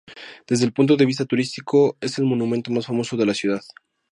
Desde el punto de vista turístico es el monumento más famoso de la ciudad.